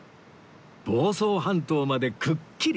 房総半島までくっきり